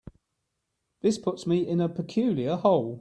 This puts me in a peculiar hole.